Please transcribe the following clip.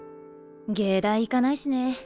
藝大行かないしね。